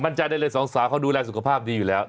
ใจได้เลยสองสาวเขาดูแลสุขภาพดีอยู่แล้ว